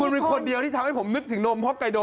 คุณเป็นคนเดียวที่ทำให้ผมนึกถึงนมฮ็อกไกโด